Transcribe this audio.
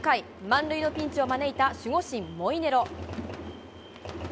満塁のピンチを招いた守護神、モイネロ。